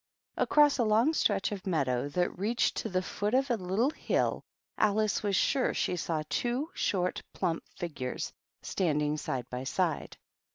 Across a long stretch of meadow that reached to the foot of a little hill Alice was sure she saw two short, plump figures standing side by side.